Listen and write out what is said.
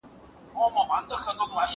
کډوال خلګ تل په حرکت کي وي.